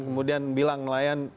kemudian bilang nelayan